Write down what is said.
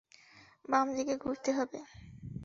বামদিকে ঘুরতে হবে।